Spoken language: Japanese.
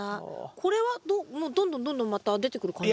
これはもうどんどんどんどんまた出てくる感じ。